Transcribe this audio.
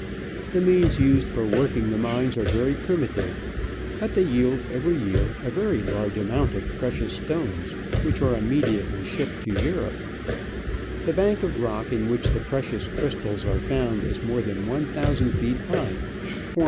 The means used for working the mines are very primitive, but they yield every year a very large amount of precious stones, which are immediately shipped to Europe. The bank of rock in which the precious crystals are found is more than one thousand feet high, formed Digitized by VjOOQIC Digitized by VjOOQIC % Ex] > H < Q W OC P